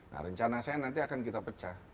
nah rencana saya nanti akan kita pecah